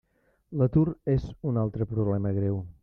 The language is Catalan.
L'atur és un altre problema greu.